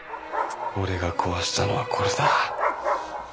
俺が壊したのはこれだ。